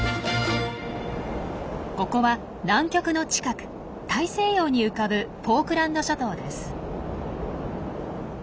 ここは南極の近く大西洋に浮かぶフォークランド諸島です。